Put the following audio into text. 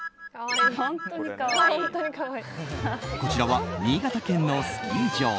こちらは新潟県のスキー場。